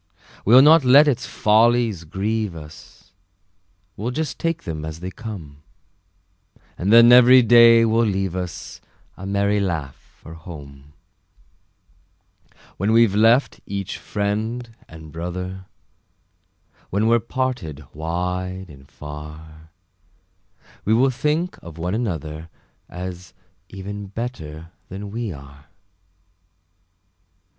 We'll not let its follies grieve us, We'll just take them as they come; And then every day will leave us A merry laugh for home. When we've left each friend and brother, When we're parted wide and far, We will think of one another, As even better than we are.